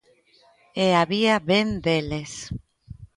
E había ben deles.